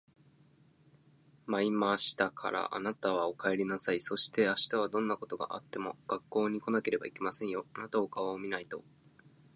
「そんなに悲しい顔をしないでもよろしい。もうみんなは帰ってしまいましたから、あなたはお帰りなさい。そして明日はどんなことがあっても学校に来なければいけませんよ。あなたの顔を見ないと私は悲しく思いますよ。屹度ですよ。」